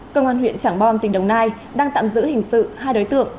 công an huyện trảng bom tỉnh đồng nai đang tạm giữ hình sự hai đối tượng